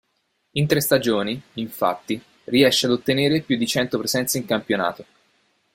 In tre stagioni, infatti, riesce ad ottenere più di cento presenze in campionato.